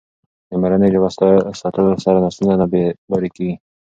د مورنۍ ژبه ساتلو سره نسلونه نه بې لارې کېږي.